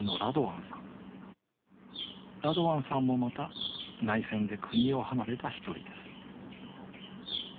ラドワンさんもまた内戦で国を離れた一人です